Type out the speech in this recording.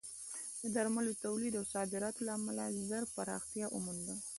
د درملو تولید او صادراتو له امله ژر پراختیا ومونده.